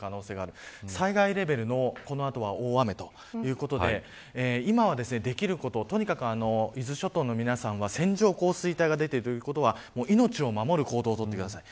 この後は、災害レベルの大雨ということで今は、できることとにかく伊豆諸島の皆さんは線状降水帯が出ているということは命を守る行動を取ってください。